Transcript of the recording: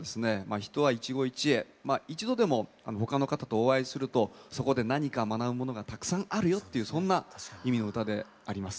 人は一期一会一度でも他の方とお会いするとそこで何か学ぶものがたくさんあるよっていうそんな意味の歌であります。